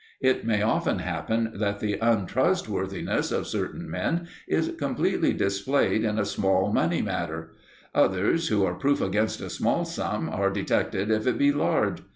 It may often happen that the untrustworthiness of certain men is completely displayed in a small money matter; others who are proof against a small sum are detected if it be large.